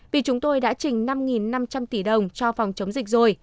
vì chúng tôi đã trình năm năm trăm linh tỷ đồng cho phòng chống dịch rồi